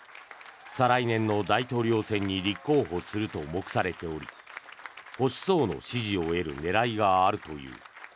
再来年の大統領選に立候補すると目されており保守層の支持を得る狙いがあるという。